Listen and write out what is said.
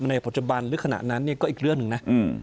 ในปัจจุบันหรือขณะนั้นเนี่ยก็อีกเรื่องหนึ่งนะ